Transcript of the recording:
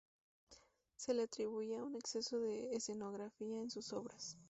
Se le atribuía un exceso de escenografía en sus obras.